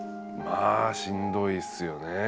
まあしんどいっすよね。